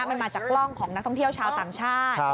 มันมาจากกล้องของนักท่องเที่ยวชาวต่างชาติ